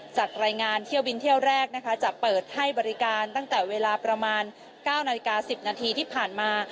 จะเปิดให้บริการตั้งแต่เวลาประมาณ๙นาฬิกา๑๐นาทีที่ผ่านมา